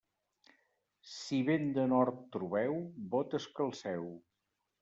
Si vent de nord trobeu, botes calceu.